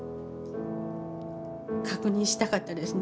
確認したかったですね私。